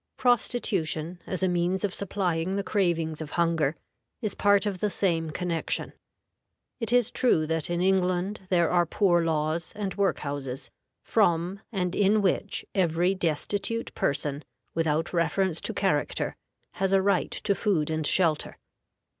Prostitution, as a means of supplying the cravings of hunger, is part of the same connection. It is true that in England there are poor laws and work houses, from and in which every destitute person, without reference to character, has a right to food and shelter.